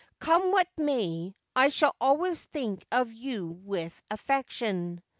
' Come what may, I shall always think of you with affection.'